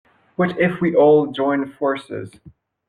What if we all joined forces?